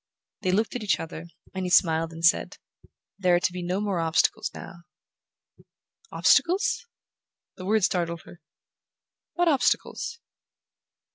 They looked at each other, and he smiled and said: "There are to be no more obstacles now." "Obstacles?" The word startled her. "What obstacles?"